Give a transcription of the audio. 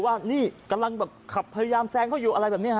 ว่ากำลังไปพยายามแซงเขาอยู่อะไรแบบนี้